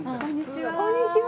こんにちは。